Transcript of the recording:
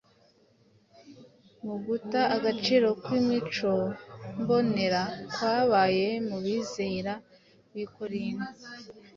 Mu guta agaciro kw’imico mbonera kwabaye mu bizera b’i korinto,